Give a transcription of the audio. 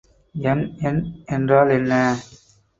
Young எண் என்றால் என்ன?